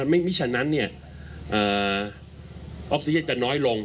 ไม่ใช่ฉะนั้นออกซีเย็นท์จะน้อยลง